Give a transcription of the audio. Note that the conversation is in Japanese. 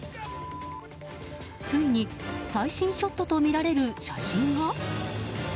ついに最新ショットとみられる写真が？